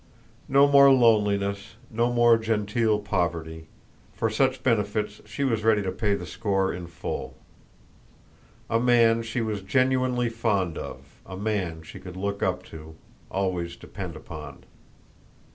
No more loneliness, no more genteel poverty; for such benefits she was ready to pay the score in full. A man she was genuinely fond of, a man she could look up to, always depend upon.